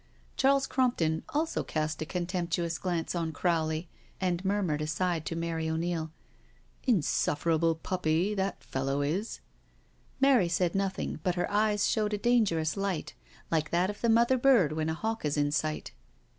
Charles Crompton also cast a contemptuous glance on Crowley, and murmured aside to Mary O'Neil: "Insufferable puppy, that fellow is I" Mary said nothing, but her eyes showed a danger ous light, like that of the mother bird when a hawk is in sight.